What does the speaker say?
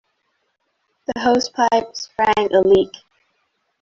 The hosepipe sprang a leak.